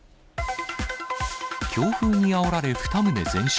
強風にあおられ２棟全焼。